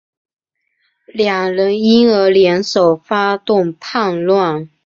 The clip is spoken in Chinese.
两人因而联手发动叛乱。